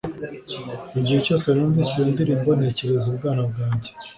Igihe cyose numvise iyo ndirimbo ntekereza ubwana bwanjye